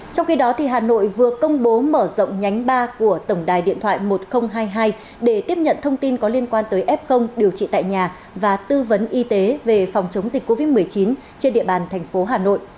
trong khi đó hà nội vừa công bố mở rộng nhánh ba của tổng đài điện thoại một nghìn hai mươi hai để tiếp nhận thông tin có liên quan tới f điều trị tại nhà và tư vấn y tế về phòng chống dịch covid một mươi chín trên địa bàn thành phố hà nội